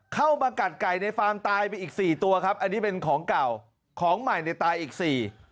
เข้ามากัดไก่ในฟาร์มตายไปอีกสี่ตัวครับอันนี้เป็นของเก่าของใหม่ในตายอีกสี่